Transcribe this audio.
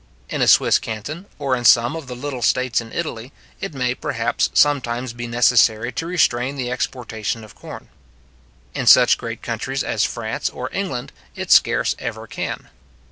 In a Swiss canton, or in some of the little states in Italy, it may, perhaps, sometimes be necessary to restrain the exportation of corn. In such great countries as France or England, it scarce ever can.